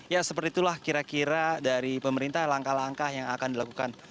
ya seperti itulah kira kira dari pemerintah langkah langkah yang akan dilakukan